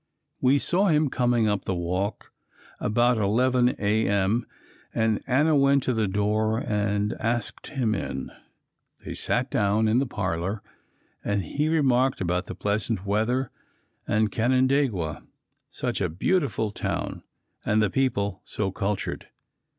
We saw him coming up the walk about 11 a.m. and Anna went to the door and asked him in. They sat down in the parlor and he remarked about the pleasant weather and Canandaigua such a beautiful town and the people so cultured.